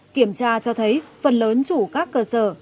kiểm tra cho thấy phần lớn chủ các cơ sở